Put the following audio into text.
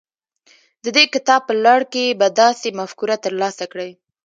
د دې کتاب په لړ کې به داسې مفکوره ترلاسه کړئ.